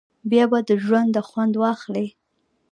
بیا به د ژونده خوند واخلی.